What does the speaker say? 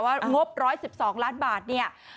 งบ๑๑๒ล้านบาทเนี่ย